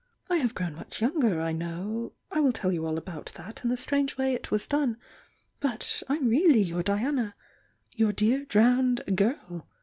"I have grown much younger, I know — I will tell you all about that and the strange way it was done!— but I'm really your Diana! Your dear drowned 'girl!'